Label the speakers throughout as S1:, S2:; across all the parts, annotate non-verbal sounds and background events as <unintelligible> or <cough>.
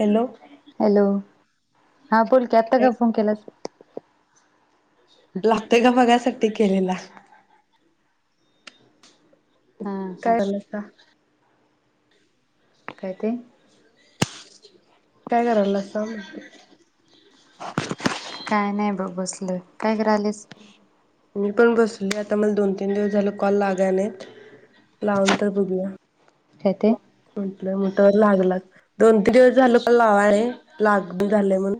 S1: Hello.
S2: Hello हा बोलकी. आता का फोन केलास?
S1: लागते का बघाय साठी ते केलेला.
S2: हा हा
S1: काय झालं का?
S2: काय ते?
S1: काय करायलासा म्हंटल?
S2: काय नाही बघ बसलोय. काय कर करालीस.
S1: सले आता मला दोन तीन दिवस झाल कॉल लागाय नाहीत. लावून तर बघूया.
S2: काय ते?
S1: म्हटलं म तर लागला. दोन तीन दिवस झाल पण लावाय. लागना झाले म्हणून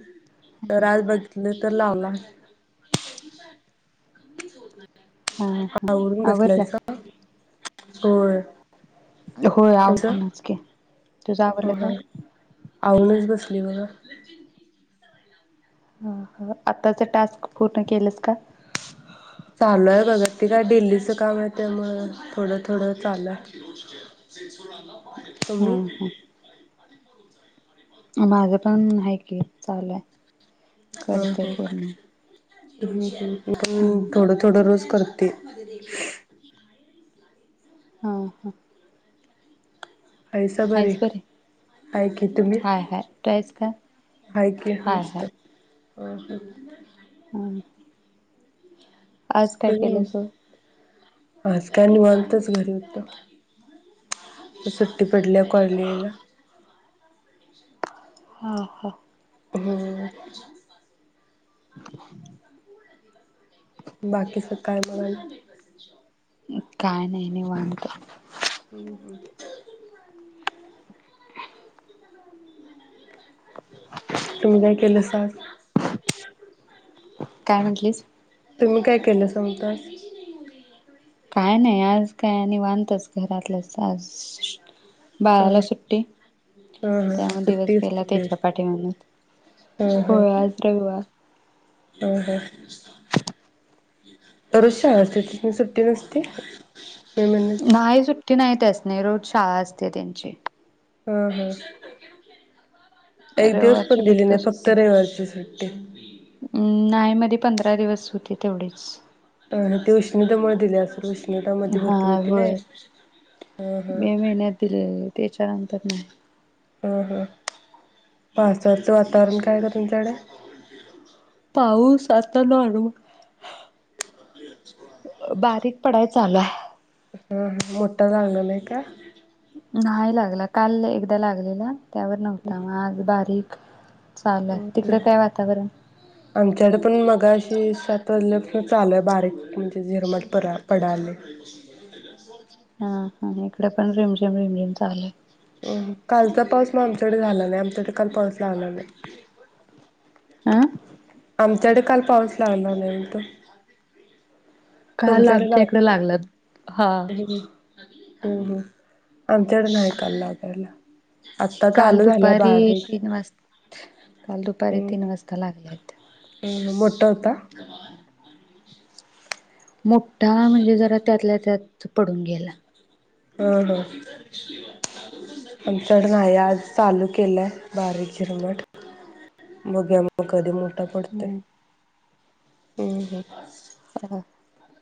S1: तर आज बघितले तर लावला.
S2: हा
S1: आवरून बसलायसा?
S2: आवरलं
S1: होय.
S2: होय
S1: तुमचं
S2: आवरूनच की. तुझं आवर
S1: ह
S2: लं
S1: हा
S2: काय?
S1: आवरूनच बसले बघा.
S2: ह हा. आताच टास्क पूर्ण केलंस का?
S1: चालू आहे बग ते काय दिल्लीचं काम आहे, त्यामूळ थोडं थोडं चालुय. तुम्ही?
S2: हा हा माझं पण हाय की चालूय. करते पूर्ण.
S1: हम्म हम्म. थोडं थोडं रोज कर. ते
S2: हा हा.
S1: ऐसा बर
S2: आहेस बरी
S1: ऐक ये तुम्ही
S2: हाय हाय तू आहेस का
S1: ऐक ये
S2: हाय
S1: मस्त. हम ह.
S2: हम्. आज काय केलं स
S1: आज काय निवांतच घरी होत सुट्टी. पडल्या कलेला. <inaudible>
S2: हा हा.
S1: हम्.
S2: <inaudible>
S1: बाकी सकारळमध्येघण
S2: काय नाही नाही वात.
S1: हम्म हम्. तुम्ही काय केलं सज
S2: काय म्हटलीस.
S1: त म काय करनस तस.
S2: काय नाही आज काय आणि वानतच घरातलं.
S1: हम हम ह
S2: त्यामुळे
S1: सुत
S2: दिवस गेला
S1: ह
S2: त्याच्या पाठीमागच.
S1: ह ह
S2: होय आज रविवार.
S1: ह अुज शते तिथून सुट्टी नसते. मी म्हणत
S2: नाही सुट की नाहीत अस नाही रोज शाळा असते त्यांची.
S1: हम् हम्. एक दिवस
S2: रविवारची
S1: पण दिली नाही फक्त
S2: सुट्टी
S1: रविवजची सुट्टी.
S2: अं नाही मधी पंधरा दिवस होती तेवढीच.
S1: अ ते उष्णितामुळे दिले असल उष्णतामध्येध्ये भरपूर
S2: हा
S1: होती नाही
S2: होय
S1: हा हा
S2: मे महिन्यात दिलेली त्याच्यानंतर नाही.
S1: हा हा. पासवरचं वातावरण काय का तुमच्याकडे
S2: पाऊ सात नवाडू बारीक. पडायचं आला.
S1: हा ह मोठा लागणार नाही का.
S2: नाही लागला काल एकदा लागलेला त्यावर नव्हता मग आज बारीक चाल
S1: हम्म
S2: तिकडे
S1: हम्म.
S2: काय वातावरण
S1: आमच्याकडे पण मगाशी सात वाजल्या चालय बारीक म्हणजे झिरमट प पडले.
S2: हा हा हे. इडे पण रिमझिम रिमझिम चालेय.
S1: अ कालचा पाऊस मामस ड झाला नाही आमचा ते काल पसला आला नाही
S2: आह
S1: आमच्याकडे काल पाऊस ला आला नाही तो
S2: काल आमच्या इकडं लागलं हा
S1: हम् ह अ तेड नाहीऐ काललागला
S2: काल दुपारी तीन वाज काल दुपारी तीन वाजता लागल्या आहेत
S1: हम मोठा होता
S2: मोठा म्हणजे जरा त्यातल्या त्यात त पडून गेला
S1: <unintelligible> काय पडते <unintelligible> हम्
S2: ह <unintelligible>